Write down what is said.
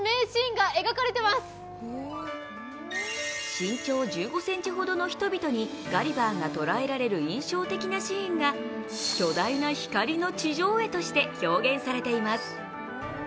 身長１５ｃｍほどの人々にガリヴァーが捕らえられる印象的なシーンが巨大な光の地上絵として表現されています。